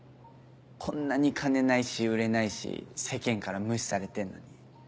こんなに金ないし売れないし世間から無視されてんのに。